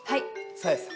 サヤシさん。